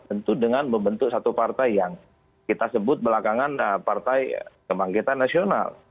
tentu dengan membentuk satu partai yang kita sebut belakangan partai kebangkitan nasional